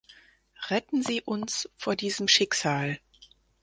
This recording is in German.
Retten Sie uns vor diesem Schicksal!